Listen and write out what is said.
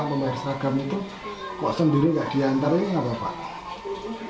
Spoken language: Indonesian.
membeli seragam itu kok sendiri nggak diantar ini nggak apa apa